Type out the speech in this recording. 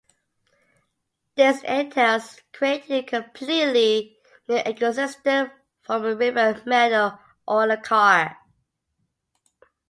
This entails creating a completely new ecosystem from a river meadow or a carr.